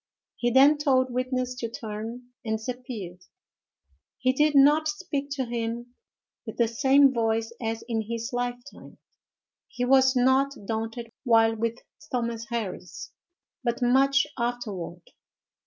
He then told witness to turn, and disappeared. He did not speak to him with the same voice as in his lifetime. He was not daunted while with Thomas Harris, but much afterward.